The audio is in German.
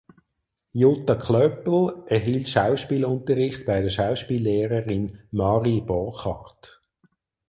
Jutta Klöppel erhielt Schauspielunterricht bei der Schauspiellehrerin Marie Borchardt.